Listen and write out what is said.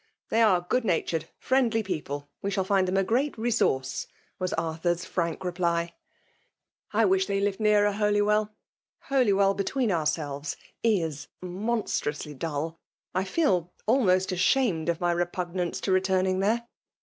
^ They are good natured, friendly people, ^ we shall find them a great resource," was Ar« thnr's frank reply. I wish they lived nearer FEMALE DOUIKAXiON. 283 Holywell. Holywell» between oorselves^ is monstrously dull. I feel almost ashamed of my repugnance to returning there.